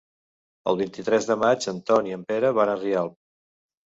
El vint-i-tres de maig en Ton i en Pere van a Rialp.